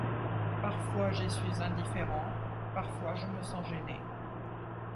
Parfois j'y suis indifférent, parfois je me sens gêné.